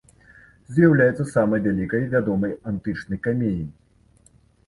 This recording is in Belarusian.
З'яўляецца самай вялікай вядомай антычнай камеяй.